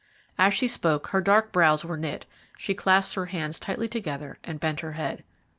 As she spoke her dark brows were knit, she clasped her hands tightly together, and bent her head.